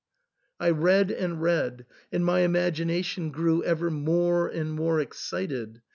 I read and read, and my imagination grew ever more and more excited.